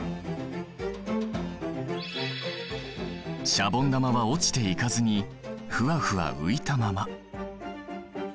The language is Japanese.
シャボン玉は落ちていかずにフワフワ浮いたまま。